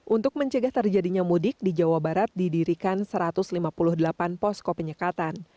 untuk mencegah terjadinya mudik di jawa barat didirikan satu ratus lima puluh delapan posko penyekatan